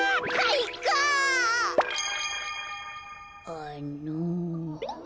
あの。